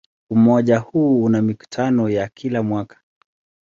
Umoja huu una mikutano ya kila mwaka.